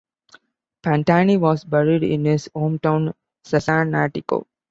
Pantani was buried in his hometown, Cesenatico.